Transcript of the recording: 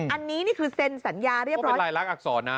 อันนี้นี่คือเซ็นสัญญาเรียบร้อยลายลักษณ์อักษรนะ